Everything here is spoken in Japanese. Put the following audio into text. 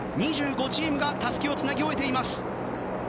２５チームがたすきをつなぎ終えています。